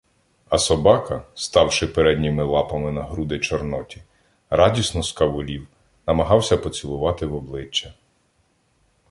А собака, ставши передніми лапами на груди Чорноті, радісно скавулів, намагався поцілувати в обличчя.